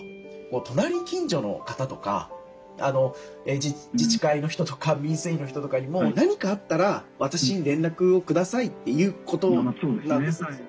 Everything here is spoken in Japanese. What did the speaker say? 隣近所の方とか自治会の人とか民生委員の人とかにも何かあったら私に連絡をくださいということなんです。